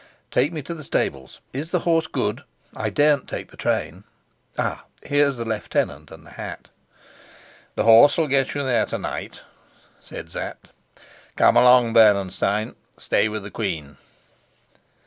"Take me to the stables. Is the horse good? I daren't take the train. Ah, here's the lieutenant and the hat." "The horse'll get you there to night," said Sapt. "Come along. Bernenstein, stay with the queen."